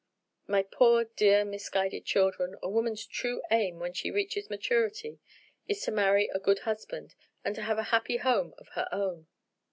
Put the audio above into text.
My poor, dear, misguided children, a woman's true aim when she reaches maturity is to marry a good husband, and to have a happy home of her own."